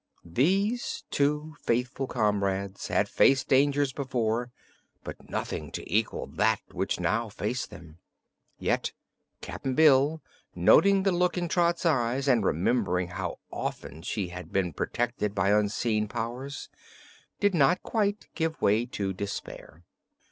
These two faithful comrades had faced dangers before, but nothing to equal that which now faced them. Yet Cap'n Bill, noting the look in Trot's eyes and remembering how often she had been protected by unseen powers, did not quite give way to despair.